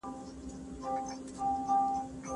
تاریخي بدمرغۍ د علم د ادراک یوه برخه ده.